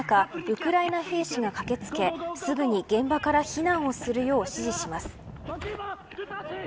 ウクライナ兵士が駆けつけすぐに現場から避難をするよう指示します。